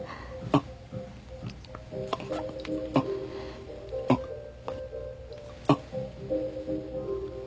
あっあっ。